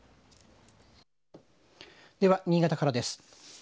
では、新潟からです。